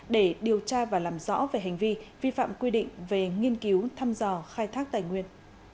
để điều tra và làm rõ về hành vi vi phạm quy định về nghiên cứu thăm dò khai thác tài nguyên